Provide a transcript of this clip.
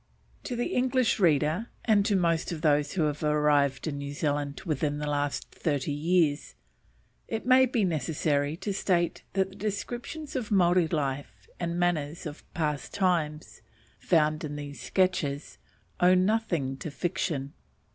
To the English reader, and to most of those who have arrived in New Zealand within the last thirty years, it may be necessary to state that the descriptions of Maori life and manners of past times, found in these sketches, owe nothing to fiction.